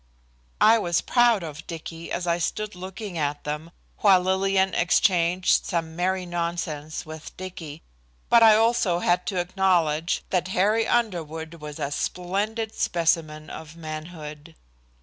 I was proud of Dicky as I stood looking at them, while Lillian exchanged some merry nonsense with Dicky, but I also had to acknowledge that Harry Underwood was a splendid specimen of manhood.